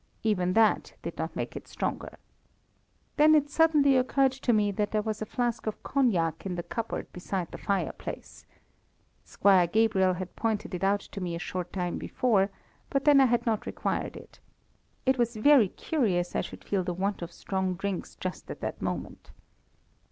Even that did not make it stronger. Then it suddenly occurred to me that there was a flask of cognac in the cupboard beside the fireplace. Squire Gabriel had pointed it out to me a short time before, but then I had not required it. It was very curious I should feel the want of strong drinks just at that moment.